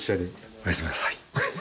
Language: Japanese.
おやすみなさい。